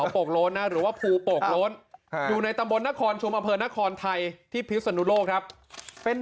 หอบหลอมด้วยผูขาวสูงอ่ะพี่ปุ้ย